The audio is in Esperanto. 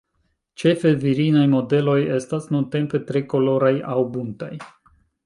Ĉefe virinaj modeloj estas nuntempe tre koloraj aŭ buntaj.